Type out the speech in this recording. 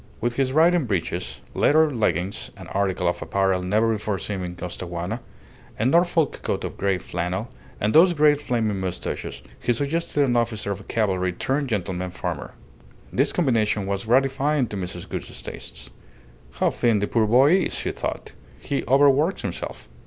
With his riding breeches, leather leggings (an article of apparel never before seen in Costaguana), a Norfolk coat of grey flannel, and those great flaming moustaches, he suggested an officer of cavalry turned gentleman farmer. This combination was gratifying to Mrs. Gould's tastes. "How thin the poor boy is!" she thought. "He overworks himself."